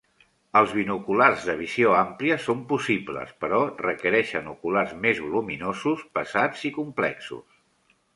Els binoculars de visió àmplia són possibles, però requereixen oculars més voluminosos, pesats i complexos.